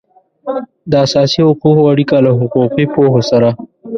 د اساسي حقوقو اړیکه له حقوقي پوهو سره